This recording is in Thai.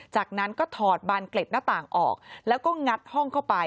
จากนั้นก็ถอดบานเกล็ดหน้าต่างออกแล้วก็งัดห้องเข้าไป